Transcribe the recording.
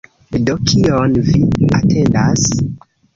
Do, kion vi atendas?